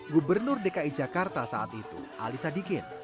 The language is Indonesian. gubernur dki jakarta saat itu ali sadikin